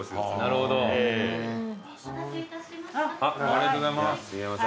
ありがとうございます。